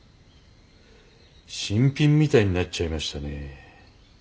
新品みたいになっちゃいましたね。